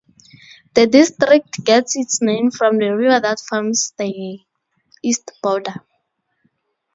The district gets its name from the river that forms the east border.